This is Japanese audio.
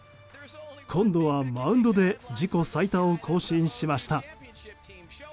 今度はマウンドで自己最多を更新しました。